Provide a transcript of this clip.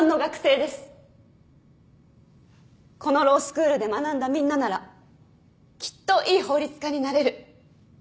このロースクールで学んだみんなならきっといい法律家になれる。